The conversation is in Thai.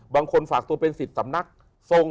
บางคนฝากตัวเป็นสิทธิ์สำนักทรง